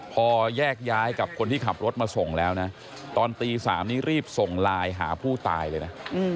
พอแยกย้ายกับคนที่ขับรถมาส่งแล้วนะตอนตี๓นี้รีบส่งไลน์หาผู้ตายเลยนะ